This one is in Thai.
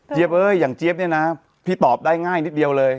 เอ้ยอย่างเจี๊ยบเนี่ยนะพี่ตอบได้ง่ายนิดเดียวเลย